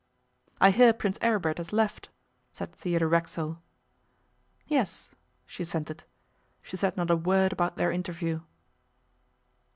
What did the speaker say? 'I hear Prince Aribert has left,' said Theodore Racksole. 'Yes,' she assented. She said not a word about their interview.